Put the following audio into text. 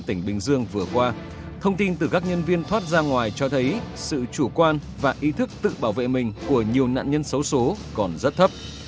tỉnh bình dương vừa qua thông tin từ các nhân viên thoát ra ngoài cho thấy sự chủ quan và ý thức tự bảo vệ mình của nhiều nạn nhân xấu xố còn rất thấp